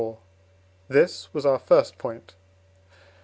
This was our first point.